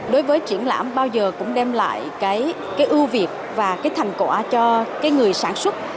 đối với triển lãm bao giờ cũng đem lại cái ưu việt và cái thành quả cho cái người sản xuất